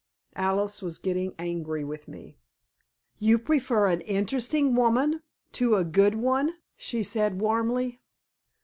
Alice was getting angry with me. "You prefer an interesting woman to a good one," she said, warmly.